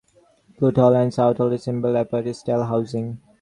Pulte Hall and South Hall resemble apartment style housing.